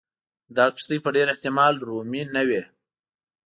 دا کښتۍ په ډېر احتمال رومي نه وې.